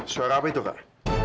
suara apa itu kak